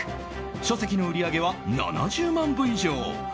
書籍の売り上げは７０万部以上。